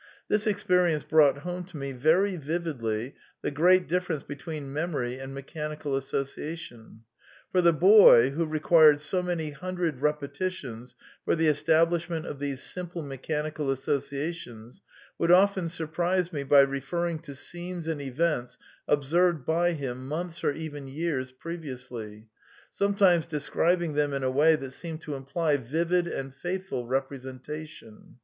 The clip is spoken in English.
" This experience brought home to me very vividly the great rSifference between memory and mechanical association. For the boy, who required so many hundred repetitions for the es ^ tablishment of these simple mechanical associations, would often surprise me by referring to scenes and events observed by him months or even years previously, sometimes describing them in a way that seemed to imply vivid and faithful representation.